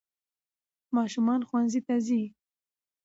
ماشومان ښونځي ته ځي